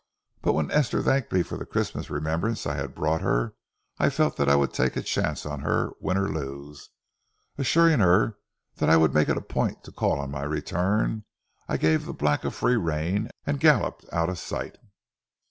But when Esther thanked me for the Christmas remembrance I had brought her, I felt that I would take a chance on her, win or lose. Assuring her that I would make it a point to call on my return, I gave the black a free rein and galloped out of sight.